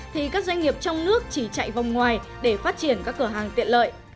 thì các doanh nghiệp trong nước chỉ chạy vòng ngoài để phát triển các cửa hàng tiện lợi